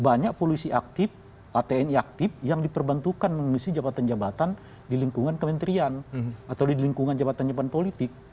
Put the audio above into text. banyak polisi aktif tni aktif yang diperbantukan mengisi jabatan jabatan di lingkungan kementerian atau di lingkungan jabatan jabatan politik